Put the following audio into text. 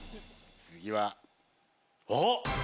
次はおっ！